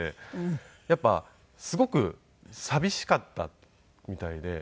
やっぱりすごく寂しかったみたいで。